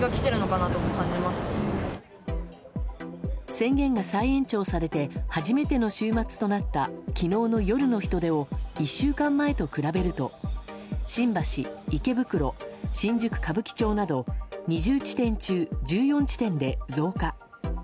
宣言が再延長されて初めての週末となった昨日の夜の人出を１週間前を比べると新橋、池袋、新宿・歌舞伎町など２０地点中１４地点で増加。